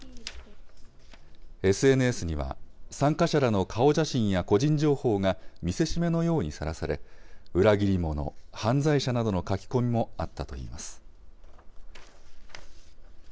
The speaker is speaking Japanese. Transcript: ＳＮＳには、参加者らの顔写真や個人情報が見せしめのようにさらされ、裏切り者、犯罪者などの書き込みもあったといいます。